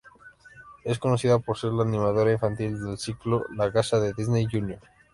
Es conocida por ser la animadora infantil del ciclo "La casa de Disney Junior".